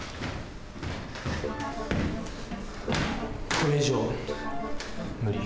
これ以上無理。